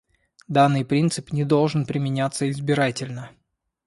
Данный принцип не должен применяться избирательно.